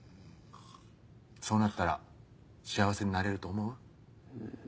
そうなったら幸せになれると思う？